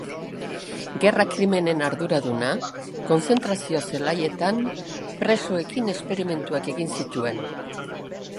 Gerra krimenen arduraduna, kontzentrazio-zelaietan presoekin esperimentuak egin zituen.